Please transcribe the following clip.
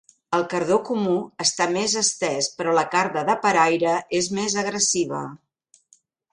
El cardó comú està més estès, però la carda de paraire és més agressiva.